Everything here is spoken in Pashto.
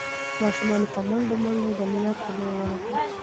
ماشومان په منډو منډو د نیا په لور ورغلل.